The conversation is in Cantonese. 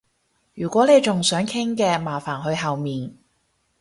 如果你仲想傾嘅，麻煩去後面